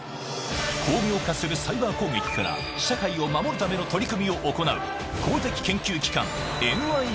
巧妙化するサイバー攻撃から社会を守るための取り組みを行う公的研究機関、ＮＩＣＴ。